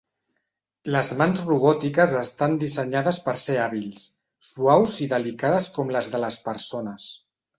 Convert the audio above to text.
Les mans robòtiques estan dissenyades per ser hàbils, suaus i delicades com les de les persones.